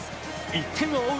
１点を追う